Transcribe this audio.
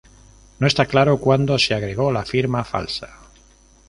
No está claro cuándo se agregó la firma falsa.